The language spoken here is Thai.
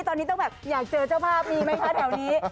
ตอนนี้ต้องแบบอยากเจอเจ้าภาพมีไหมคะแถวนี้